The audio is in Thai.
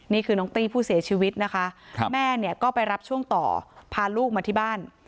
นี่คือน้องตี้ผู้เสียชีวิตนะคะแม่เนี่ยก็ไปรับช่วงต่อพาลูกมาที่บ้าน